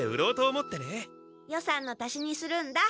予算の足しにするんだ。